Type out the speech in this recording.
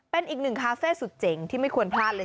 เป็นอีกหนึ่งคาเฟ่สุดเจ๋งที่ไม่ควรพลาดเลย